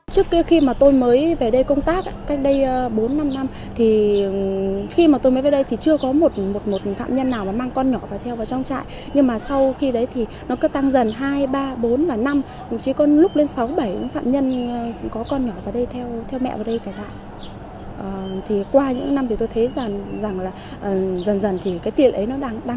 thì qua những năm thì tôi thấy rằng là dần dần thì cái tiền ấy nó đang được tăng lên